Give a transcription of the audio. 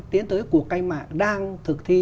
tiến tới cuộc canh mạng đang thực thi